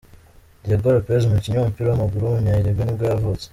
Diego Pérez, umukinnyi w’umupira w’amaguru w’umunya-Uruguay nibwo yavutse.